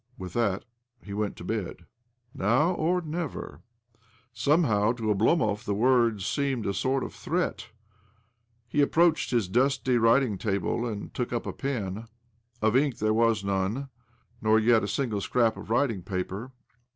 With that he went to bed. " Now or never." Somehow to Oblpmoy ібо OBLOMOV the words seemed a sort of threat. He approached his dusty writing table, and took up a pen. Of ink tbere was none, nor yet a single scrap of writing paper.